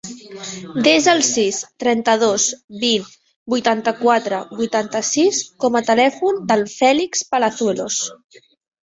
Desa el sis, trenta-dos, vint, vuitanta-quatre, vuitanta-sis com a telèfon del Fèlix Palazuelos.